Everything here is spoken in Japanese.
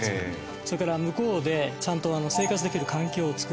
それから向こうでちゃんと生活できる環境をつくる。